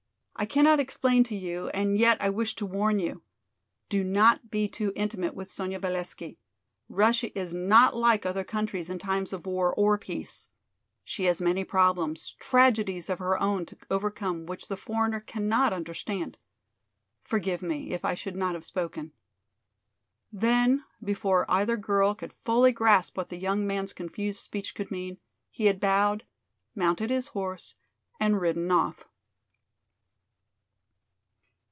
I cannot explain to you, and yet I wish to warn you. Do not be too intimate with Sonya Valesky. Russia is not like other countries in times of war or peace. She has many problems, tragedies of her own to overcome which the foreigner cannot understand. Forgive me if I should not have spoken." Then before either girl could fully grasp what the young man's confused speech could mean, he had bowed, mounted his horse and ridden off.